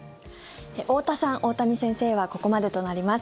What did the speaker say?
太田さん、大谷先生はここまでとなります。